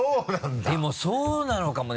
でもそうなのかもね。